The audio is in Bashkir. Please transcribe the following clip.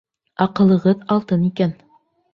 Аҡылығыҙ алтын икән!